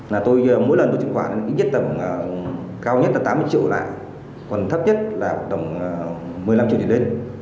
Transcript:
là tôi mỗi lần tôi truyền khoản ít nhất tầm cao nhất là tám mươi triệu lại còn thấp nhất là tầm một mươi năm triệu thì lên